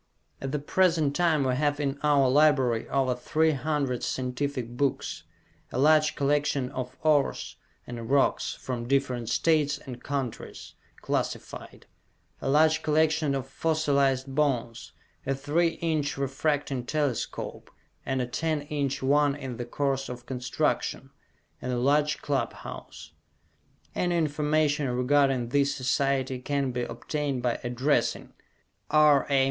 At the present time we have in our library over three hundred scientific books; a large collection of ores and rocks from different states and countries, classified; a large collection of fossilized bones; a three inch refracting telescope, and a ten inch one in the course of construction; and a large club house. Any information regarding this society can be obtained by addressing R. A.